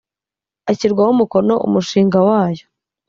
ashyirwaho umukono umushinga wayo